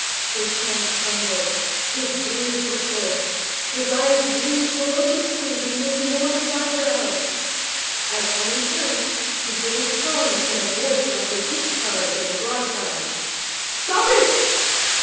His hands trembled. His beard bristled. His eyes gleamed ferociously beneath enormous eyebrows. As Owen turned, he gave tongue in a voice like the discharge of a broadside. 'Stop it!'